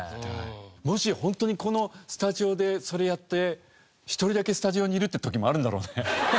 もしホントにこのスタジオでそれやって１人だけスタジオにいるって時もあるんだろうね。